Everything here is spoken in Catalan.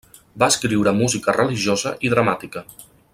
Va escriure música religiosa i dramàtica.